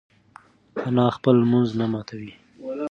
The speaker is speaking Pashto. انا خپل لمونځ نه ماتوي.